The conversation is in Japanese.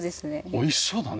美味しそうだね。